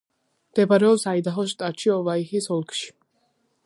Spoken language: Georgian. მდებარეობს აიდაჰოს შტატში, ოვაიჰის ოლქში.